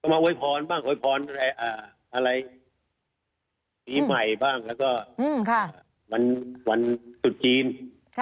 มาโวยพรบ้างโวยพรอะไรปีใหม่บ้างแล้วก็วันตุดจีน